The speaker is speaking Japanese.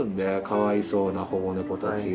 かわいそうな保護ネコたち。